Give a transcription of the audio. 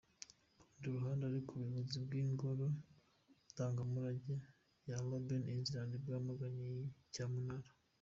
Ku rundi ruhande ariko Ubuyobozi bw’ingoro ndangamurage ya Robben Island bwamaganye iyi cyamunara.